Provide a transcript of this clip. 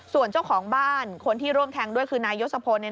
ส่วนเจ้าของบ้านคนที่ร่วมแทงด้วยคือนายยศพล